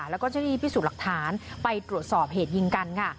แล้วก็เจ้าหน้าที่พิสูจน์หลักฐานไปตรวจสอบเหตุยิงกันค่ะ